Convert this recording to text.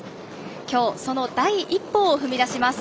きょう、その第一歩を踏み出します。